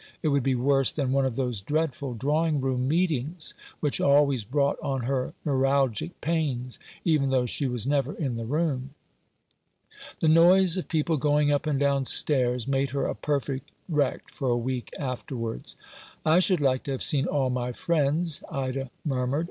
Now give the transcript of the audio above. It would be worse than one of those dreadful drawing room meetings, which always brought on her neuralgic pains, even though she was never in the room. The noise of people going up and down stairs made her a perfect wreck for a week afterwards. " I should like to have seen all my friends," Ida murmured.